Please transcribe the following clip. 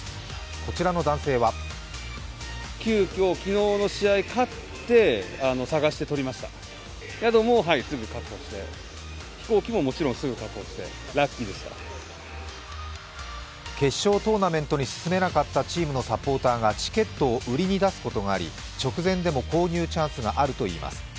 こちらの男性は決勝トーナメントに進めなかったチームのサポーターがチケットを売りに出すことがあり直前でも購入チャンスがあるといいます。